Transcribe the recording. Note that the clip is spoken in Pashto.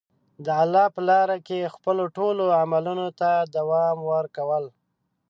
د الله په لاره کې خپلو ټولو عملونو ته دوام ورکول.